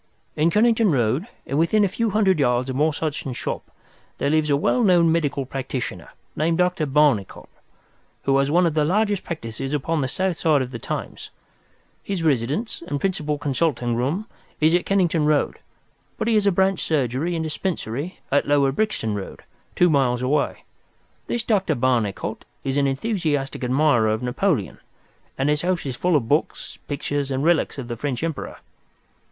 "In Kennington Road, and within a few hundred yards of Morse Hudson's shop, there lives a well known medical practitioner, named Dr. Barnicot, who has one of the largest practices upon the south side of the Thames. His residence and principal consulting room is at Kennington Road, but he has a branch surgery and dispensary at Lower Brixton Road, two miles away. This Dr. Barnicot is an enthusiastic admirer of Napoleon, and his house is full of books, pictures, and relics of the French Emperor.